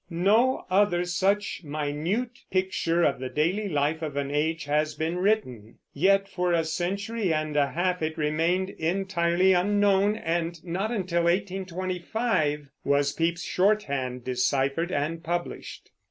No other such minute picture of the daily life of an age has been written. Yet for a century and a half it remained entirely unknown, and not until 1825 was Pepys's shorthand deciphered and published.